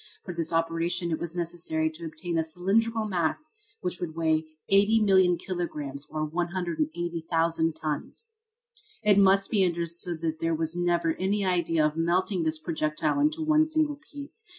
For this operation it was necessary to obtain a cylindrical mass which would weigh 80,000,000 kilograms, or 180,000 tons. It must be understood that there was never any idea of melting this projectile in one single piece.